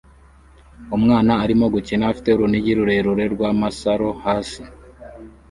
Umwana arimo gukina afite urunigi rurerure rw'amasaro hasi